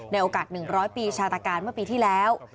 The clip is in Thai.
โอกาส๑๐๐ปีชาตการเมื่อปีที่แล้ว